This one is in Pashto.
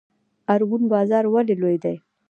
ارګون بازار ولې لوی دی؟